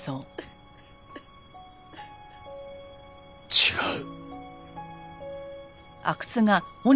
違う。